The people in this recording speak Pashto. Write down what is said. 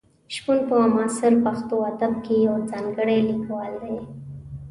شپون په معاصر پښتو ادب کې یو ځانګړی لیکوال دی.